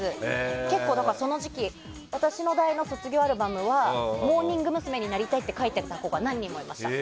結構、その時期私の代の卒業アルバムはモーニング娘。になりたいって書いてた子が何人もいました。